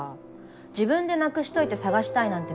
自分でなくしといて探したいなんて